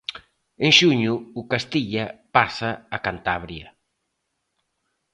En xuño o Castilla pasa a Cantabria.